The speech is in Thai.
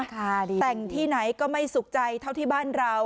แต่งที่ไหนก็ไม่สุขใจเท่าที่บ้านเรา